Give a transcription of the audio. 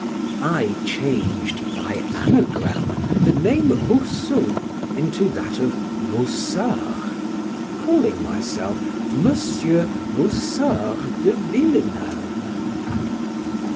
I changed, by anagram, the name Rousseau into that of Vaussore, calling myself Monsieur Vaussore de Villeneuve.